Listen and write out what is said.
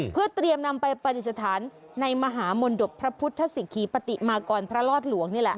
เพื่อเตรียมนำไปปฏิสถานในมหามนตบพระพุทธศิกษีปฏิมากรพระรอดหลวงนี่แหละ